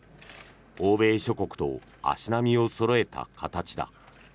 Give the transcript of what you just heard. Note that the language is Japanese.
欧米諸国と足並みをそろえた形だ。